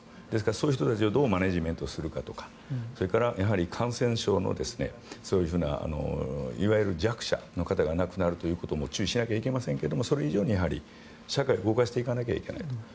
ですから、そういう人たちをどうマネジメントするかとかやはり感染症のそういういわゆる弱者の方が亡くなるということも注意しなきゃいけませんけどそれ以上に社会を動かしていかないといけないと。